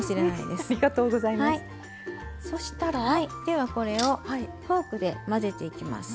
ではこれをフォークで混ぜていきます。